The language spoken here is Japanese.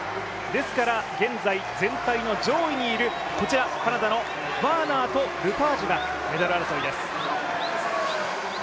ですから現在、全体の上位にいるこちらカナダのワーナーとルパージュがメダル争いです。